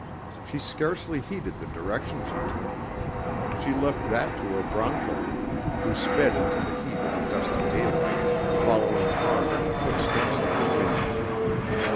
She scarcely heeded the direction she took. She left that to her broncho, who sped into the heat of the dusty daylight, following hard in the footsteps of the wind.